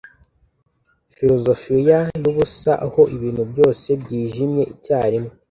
Filozofiya yubusa aho ibintu byose byijimye icyarimwe